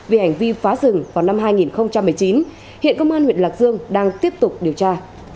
vì hành vi phá rừng vào năm hai nghìn một mươi chín hiện công an huyện lạc dương đang tiếp tục điều tra